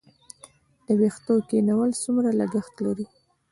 د ویښتو کینول څومره لګښت لري؟